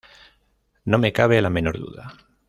No me cabe la menor duda".